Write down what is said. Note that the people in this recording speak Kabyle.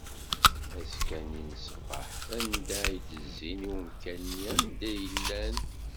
Azekka-nni ṣṣbeḥ, d nnda i d-izzin i umkan-nni anda i llan.